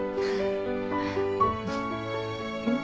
うん。